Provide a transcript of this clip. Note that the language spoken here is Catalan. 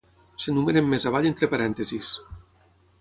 S'enumeren més avall entre parèntesis.